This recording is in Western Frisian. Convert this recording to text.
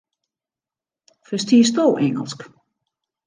Ferstiesto Ingelsk?